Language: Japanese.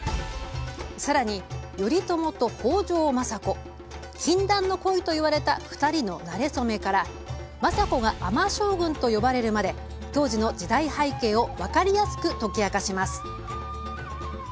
さらに、頼朝と北条政子禁断の恋といわれた２人のなれ初めから政子が尼将軍と呼ばれるまで当時の時代背景を分かりやすく解き明かします。